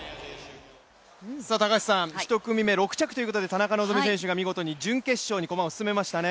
１組目、６着ということで田中希実選手が見事に準決勝に駒を進めましたね。